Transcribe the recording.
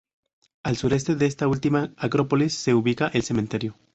Al sureste de esta última acrópolis se ubicaba el cementerio.